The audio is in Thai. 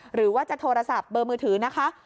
หรือว่าจะโทรศัพท์เบอร์มือถือ๐๙๓๐๖๔๙๖๙๖